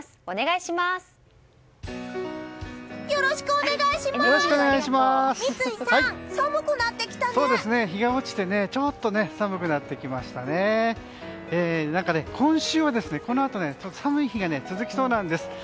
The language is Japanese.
お願いします。